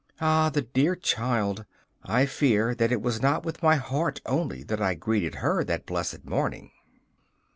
Ah, the dear child! I fear that it was not with my heart only that I greeted her that blessed morning.